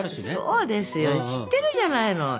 そうですよ知ってるじゃないの。